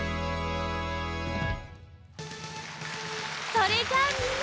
それじゃあみんな！